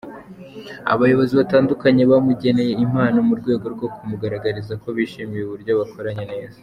Abayobozi batandukanye bamugeneye impano mu rwego rwo kumugaragariza ko bishimiye uburyo bakoranye neza.